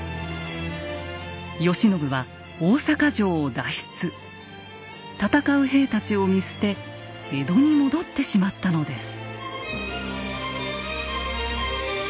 慶喜は戦う兵たちを見捨て江戸に戻ってしまったのです。